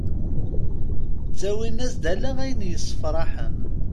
Ttawin-as-d ala ayen yessefraḥen.